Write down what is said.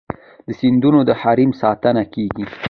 د سیندونو د حریم ساتنه کیږي؟